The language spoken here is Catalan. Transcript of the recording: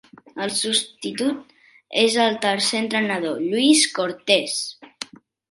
El substitut és el tercer entrenador Lluís Cortés.